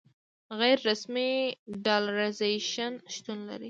غیر رسمي ډالرایزیشن شتون لري.